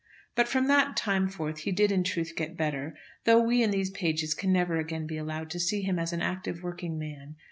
But from that time forth he did in truth get better, though we in these pages can never again be allowed to see him as an active working man.